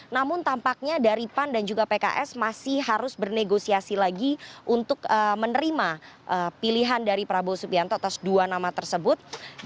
namun tampaknya dari pan dan juga pks masih harus bernegosiasi lagi untuk menerima pilihan dari prabowo subianto atas dua nama tersebut